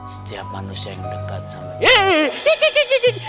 setiap manusia yang dekat sama ya